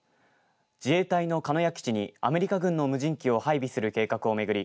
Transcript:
自衛隊の鹿屋基地にアメリカ軍の無人機を配備する計画を巡り